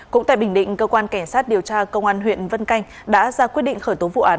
cũng tại bình định cơ quan cảnh sát điều tra công an huyện vân canh đã ra quyết định khởi tố vụ án